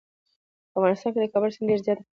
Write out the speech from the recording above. په افغانستان کې د کابل سیند ډېر زیات اهمیت لري.